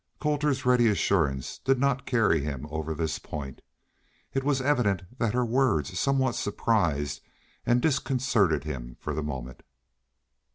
Colter's ready assurance did not carry him over this point. It was evident that her words somewhat surprised and disconcerted him for the moment.